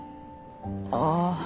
ああ。